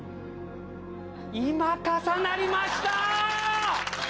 今、重なりました。